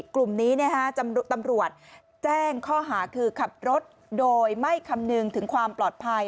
กลุ่มนี้ตำรวจแจ้งข้อหาคือขับรถโดยไม่คำนึงถึงความปลอดภัย